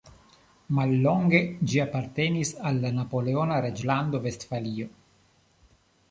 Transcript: Mallonge ĝi apartenis al la napoleona reĝlando Vestfalio.